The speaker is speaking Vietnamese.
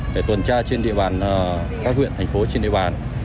để tuần tra trên địa bàn các huyện thành phố trên địa bàn